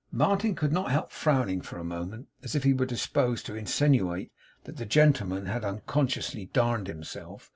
Martin could not help frowning for a moment, as if he were disposed to insinuate that the gentleman had unconsciously 'darned' himself.